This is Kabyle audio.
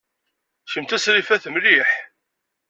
Kemm d tasrifat mliḥ.